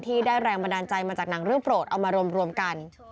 ได้แรงบันดาลใจมาจากหนังเรื่องโปรดเอามารวมกัน